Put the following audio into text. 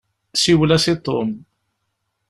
Siwel-as i Tom.